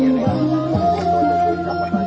สวัสดีครับทุกคน